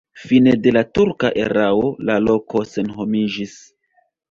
Fine de la turka erao la loko senhomiĝis.